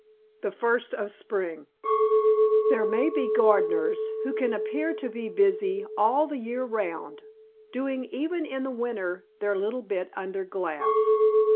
THE FIRST OF SPRING There may be gardeners who can appear to be busy all the year round doing even in the winter, their little bit under glass.